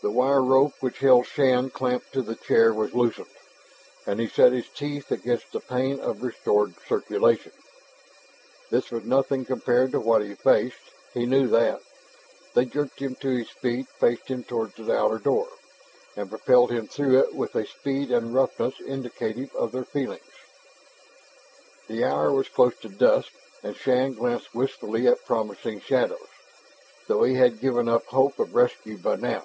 The wire rope which held Shann clamped to the chair was loosened, and he set his teeth against the pain of restored circulation, This was nothing compared to what he faced; he knew that. They jerked him to his feet, faced him toward the outer door, and propelled him through it with a speed and roughness indicative of their feelings. The hour was close to dusk and Shann glanced wistfully at promising shadows, though he had given up hope of rescue by now.